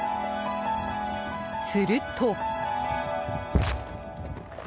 すると。